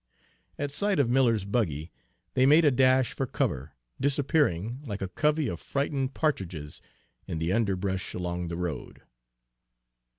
At sight of Miller's buggy they made a dash for cover, disappearing, like a covey of frightened partridges, in the underbrush along the road.